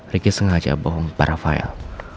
riki sengaja bohong para file